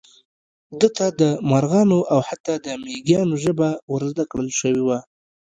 ده ته د مارغانو او حتی د مېږیانو ژبه ور زده کړل شوې وه.